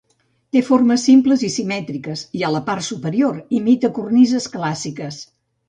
Té formes simples i simètriques, i a la part superior imita cornises clàssiques.